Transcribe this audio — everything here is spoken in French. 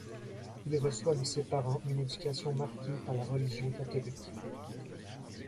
Il reçoit de ses parents une éducation marquée par la religion catholique.